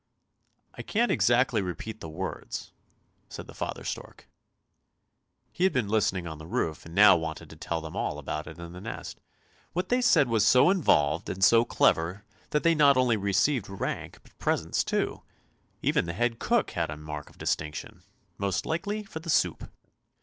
" I can't exactly repeat the words, " said the father stork. He had been listening on the roof, and now wanted to tell them all about it in the nest. " What they said was so involved and so clever that they not only received rank, but presents too; even the head cook had a mark of distinction — most likely for the soup!